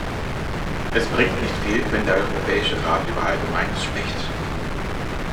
Es bringt nicht viel, wenn der Europäische Rat über Allgemeines spricht.